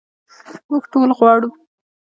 موږ ټول غواړو.